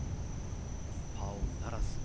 パーオンならず。